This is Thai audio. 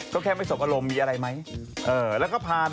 ก็แค่ไม่สบอารมณ์มีอะไรไหม